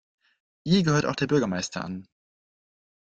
Ihr gehört auch der Bürgermeister an.